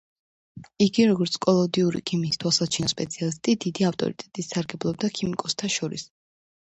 იგი როგორც კოლოდიური ქიმიის თვალსაჩინო სპეციალისტი დიდი ავტორიტეტით სარგებლობდა ქიმიკოსთა შორის.